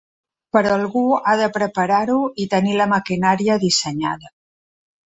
Però algú ha de preparar-ho i tenir la maquinària dissenyada.